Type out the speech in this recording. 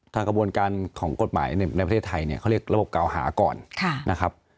กระบวนการของกฎหมายในประเทศไทยเนี่ยเขาเรียกระบบเก่าหาก่อนนะครับ